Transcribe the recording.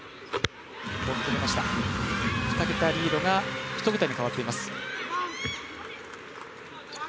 ２桁リードが１桁に変わっています。